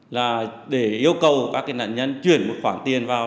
là để yêu cầu các nạn nhân chuyển một khoản tiền vào